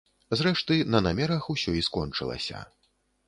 Зрэшты, на намерах усё і скончылася.